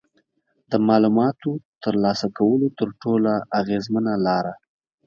د معلوماتو ترلاسه کولو تر ټولو اغیزمنه لاره